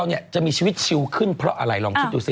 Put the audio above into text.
ความความสูงชื่องขึ้นเพราะอะไรรองทิชย์หนูสิ